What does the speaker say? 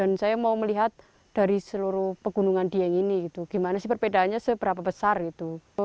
dan saya mau melihat dari seluruh pegunungan di yang ini gimana sih perbedaannya seberapa besar gitu